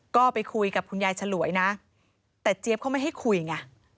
ก็ไปคุยกับคุณยายฉลวยนะแต่เจี๊ยบเขาไม่ให้คุยไง